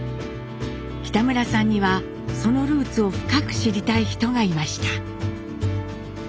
北村さんにはそのルーツを深く知りたい人がいました。